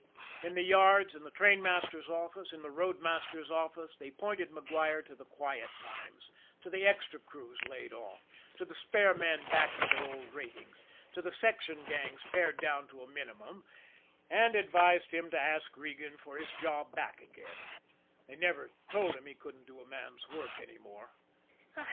In the yards, in the trainmaster's office, in the roadmaster's office they pointed Maguire to the quiet times, to the extra crews laid off, to the spare men back to their old ratings, to the section gangs pared down to a minimum, and advised him to ask Regan for his job back again they never told him he couldn't do a man's work any more.